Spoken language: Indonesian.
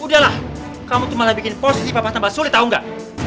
udahlah kamu tuh malah bikin posisi papa tambah sulit tau gak